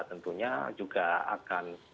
tentunya juga akan